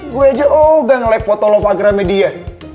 gue aja oga nge like foto lofagramnya dia